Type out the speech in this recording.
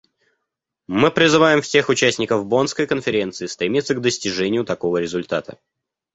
Мы призываем всех участников Боннской конференции стремиться к достижению такого результата.